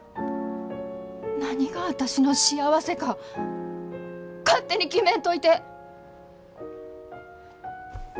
何が私の幸せか勝手に決めんといて！